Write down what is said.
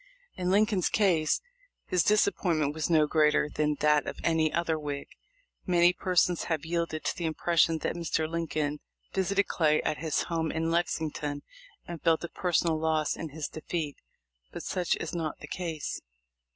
In Lincoln's case his disappointment was no greater than that of any other Whig. Many persons have yielded to the impression that Mr. Lincoln visited Clay at his home in Lexington and felt a personal loss in his defeat, but such is not the case.